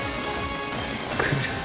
来る。